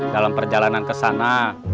dalam perjalanan kesana